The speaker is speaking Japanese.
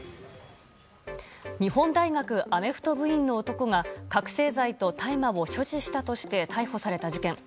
日本大学アメフト部員の男が覚醒剤と大麻を所持したとして逮捕された事件。